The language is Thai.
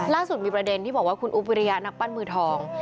ล่าสุดมีประเด็นที่บอกว่าคุณอุ๊บวิริยะนักปั้นมือทอง